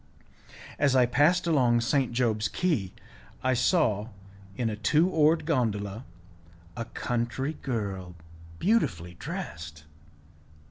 As I passed along St. Job's Quay, I saw in a two oared gondola a country girl beautifully dressed.